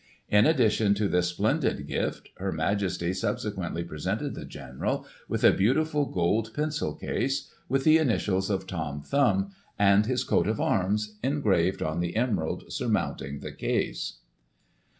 In addition to this splendid gift, Her Majesty subsequently presented the General with a beautiful gold pencil case, with the initials of Tom Thumb, and his coat of arms, engraved on the emerald surmounting the case."